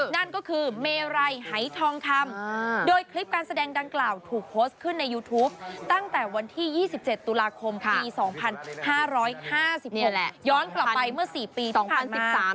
นั่นก็คือเมไรหายทองคำโดยคลิปการแสดงดังกล่าวถูกโพสต์ขึ้นในยูทูปตั้งแต่วันที่๒๗ตุลาคมปี๒๕๕๖ย้อนกลับไปเมื่อ๔ปีที่ผ่านมา